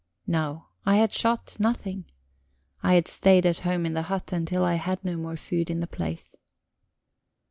No, I had shot nothing; I had stayed at home in the hut until I had no more food in the place.